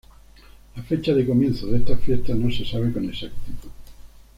La fecha de comienzo de estas fiestas no se sabe con exactitud.